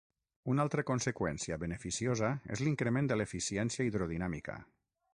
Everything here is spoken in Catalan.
Una altra conseqüència beneficiosa és l'increment de l'eficiència hidrodinàmica.